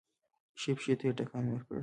ښی پښې ته يې ټکان ورکړ.